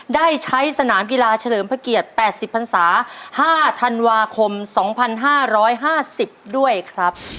ได้ใช้สนามกีฬาเฉลิมพระเกียรติ๘๐พันศา๕ธันวาคม๒๕๕๐ด้วยครับ